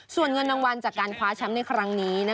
ส่วนเงินรางวัลจากการคว้าแชมป์ในครั้งนี้